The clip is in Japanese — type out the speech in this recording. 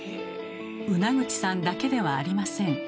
ウナグチさんだけではありません。